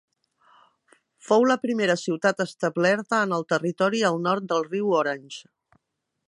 Fou la primera ciutat establerta en el territori al nord del riu Orange.